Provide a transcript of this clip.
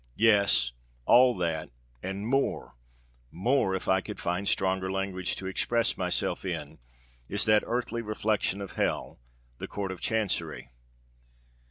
Yes—all that—and more—more, if I could find stronger language to express myself in—is that earthly reflection of hell—the Court of Chancery!"